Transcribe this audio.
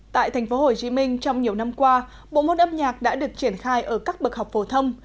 tại tp hcm trong nhiều năm qua bộ môn âm nhạc đã được triển khai ở các bậc học phổ thông